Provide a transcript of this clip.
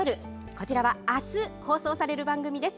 こちらはあす放送される番組です。